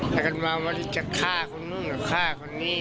แล้วกันมาวันนี้จะฆ่าคนนึงฆ่าคนนี้